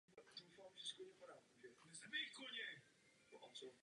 S nárůstem přepravy byla potřebná modernizace trati.